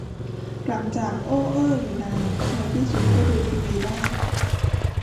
หลังจากโอ้เอ้อยู่นาน ในที่สุดก็ดูทีวีได้